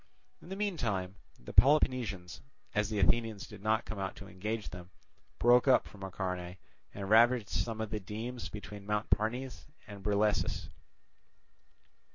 In the meantime the Peloponnesians, as the Athenians did not come out to engage them, broke up from Acharnae and ravaged some of the demes between Mount Parnes and Brilessus.